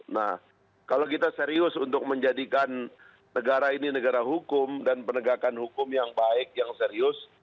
nah kalau kita serius untuk menjadikan negara ini negara hukum dan penegakan hukum yang baik yang serius